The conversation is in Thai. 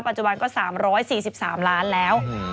ปัจจุบันก็๓๔๓ล้านแล้ว